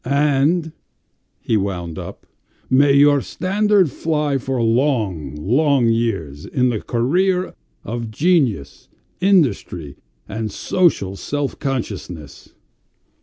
"And," he wound up, "may your standard fly for long, long years in the career of genius, industry, and social self consciousness."